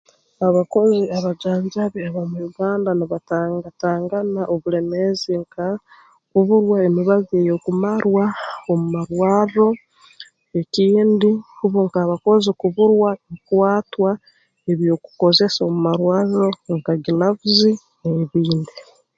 Abakozi abajanjabi ab'omu Uganda nibatangatangana obulemeezi nka kuburwa emibazi eyeekumarwa omu marwarro ekindi hubo nk'abakozi kuburwa bikwatwa eby'okukozesa omu marwarro nka glavizi n'ebindi